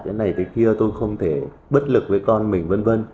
cái này thế kia tôi không thể bất lực với con mình v v